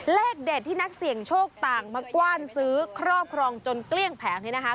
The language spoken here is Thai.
เลขเด็ดที่นักเสี่ยงโชคต่างมากว้านซื้อครอบครองจนเกลี้ยงแผงนี้นะคะ